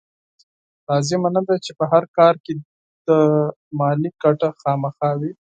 لازمه نه ده چې په هر کار کې دې مالي ګټه خامخا وي.